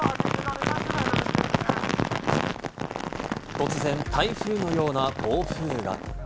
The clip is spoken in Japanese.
突然台風のような暴風雨。